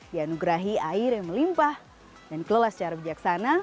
yanugerahi air yang melimpah dan kelelas secara bijaksana